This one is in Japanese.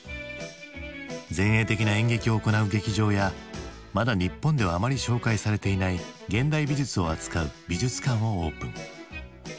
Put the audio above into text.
前衛的な演劇を行う劇場やまだ日本ではあまり紹介されていない現代美術を扱う美術館をオープン。